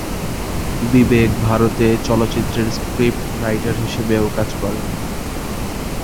বিবেক ভারতে চলচ্চিত্রের script writer হিসেবেও কাজ করেন।